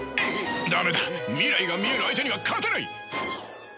駄目だ未来が見える相手には勝てない！